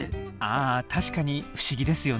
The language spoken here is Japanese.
あ確かに不思議ですよね。